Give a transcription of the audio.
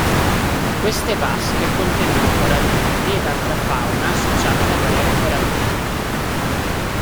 Queste "vasche" contengono coralli vivi ed altra fauna associata alle barriere coralline.